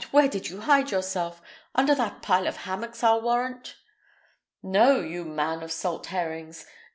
where did you hide yourself? Under that pile of hammocks, I'll warrant." "No, you man of salt herrings!